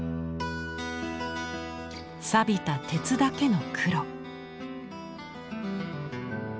さびた鉄だけの黒。